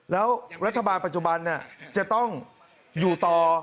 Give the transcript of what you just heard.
แล้วรัฐบาลปัจจุบันจะต้องอยู่ต่อ